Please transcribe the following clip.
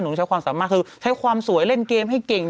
น้องต้องใช้ความสำหรับความสวยเล่นเกมให้เก่ง